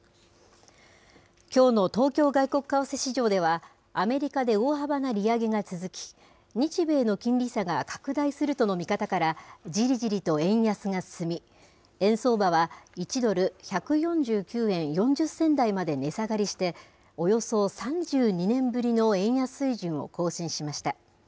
きょうの東京外国為替市場では、アメリカで大幅な利上げが続き、日米の金利差が拡大するとの見方から、じりじりと円安が進み、円相場は１ドル１４９円４０銭台まで値下がりして、およそ３２年ぶりの円安水準を更新しました。